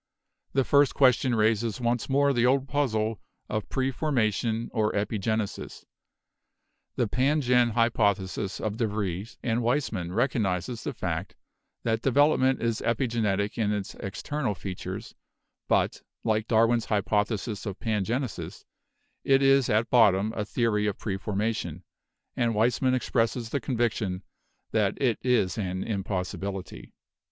The first question raises once more the old puzzle of preformation or epigenesis. The pangen hypothesis of de Vries and Weismann recognises the fact that development is epigenetic in its external features ; but, like Darwin's hypothesis of pangenesis, it is HEREDITY 263 at bottom a theory of preformation, and Weismann ex presses the conviction that it is an impossibility.